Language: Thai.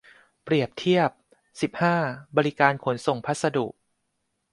เปรียบเทียบ สิบห้า บริการขนส่งพัสดุ